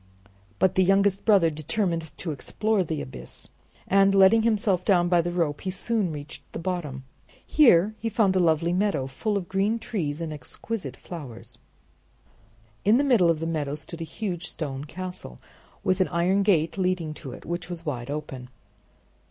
But the youngest brother determined to explore the abyss, and letting himself down by the rope he soon reached the bottom. Here he found a lovely meadow full of green trees and exquisite flowers. In the middle of the meadow stood a huge stone castle, with an iron gate leading to it, which was wide open.